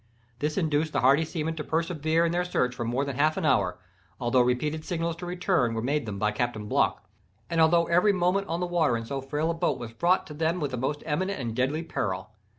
This induced the hardy seamen to persevere in their search for more than half an hour, although repeated signals to return were made them by Captain Block, and although every moment on the water in so frail a boat was fraught to them with the most imminent and deadly peril.